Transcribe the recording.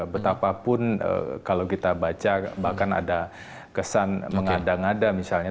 betapapun kalau kita baca bahkan ada kesan mengada ngada misalnya